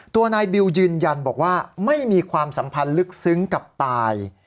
ตัวนายบิวยืนยันบอกว่าไม่มีความสัมพันธ์ลึกซึ้งกับตาย